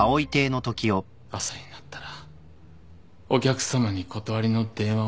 朝になったらお客さまに断りの電話を入れる。